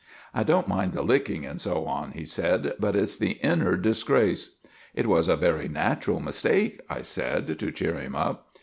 "I don't mind the licking, and so on," he said, "but it's the inner disgrace." "It was a very natural mistake," I said, to cheer him up.